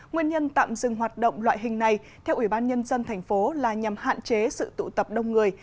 nguyên nhân tạm dừng hoạt động loại hình này theo ủy ban nhân dân thành phố là nhằm hạn chế sự tụ tập đông người